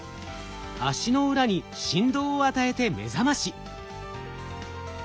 足の裏に振動を与えて目覚まし。